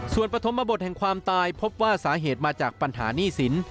ส่วนปฐมบทแห่งความตายพบว่าสาเหตุมาจากปัญหาหนี้สิน